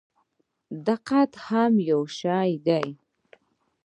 دقت هم یو شی دی.